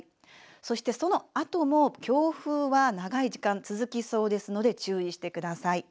そして、そのあとも強風は長い時間、続きそうですので注意してください。